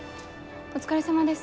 お疲れさまです。